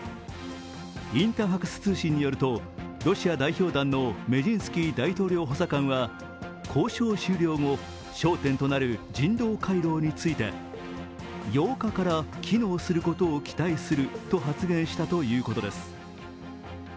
インタファクス通信によるとロシア代表団のメジンスキー大統領補佐官は交渉終了後、焦点となる人道回廊について８日から機能することを期待すると発言したということです。